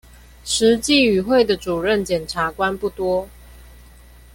實際與會的主任檢察官不多